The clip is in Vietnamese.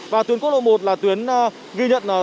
và tuyến quốc lộ một là tuyến ghi nhận